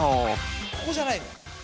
ここじゃないのよ。